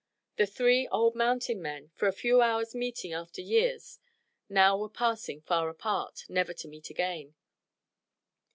The three old mountain men, for a few hours meeting after years, now were passing far apart, never to meet again.